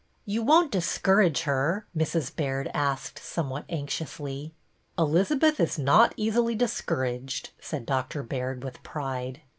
^^You won't discourage her?" Mrs. Baird asked, somewhat anxiously. Elizabeth is not easily discouraged," said Doc tor Baird, with pride.